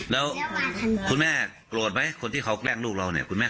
แล้วคุณแม่โกรธไหมคนที่เขาแกล้งลูกเราเนี่ยคุณแม่